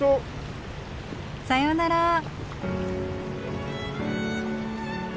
さようなら。